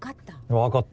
分かった。